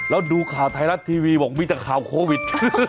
แล้วดูข่าวไทยรัฐทีวีบอกมีแต่ข่าวโควิด